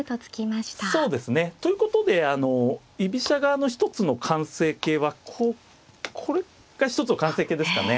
そうですね。ということで居飛車側の一つの完成形はこうこれが一つの完成形ですかね。